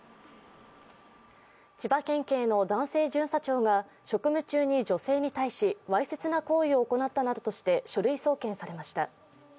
千葉県警の男性巡査長が、職務中に女性に対しわいせつな行為を行ったなどとして書類送検されました。